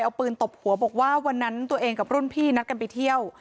เอาปืนตบหัวบอกว่าวันนั้นตัวเองกับรุ่นพี่นัดกันไปเที่ยว